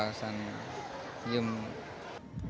jadi saya juga bisa berkumpul dengan orang tua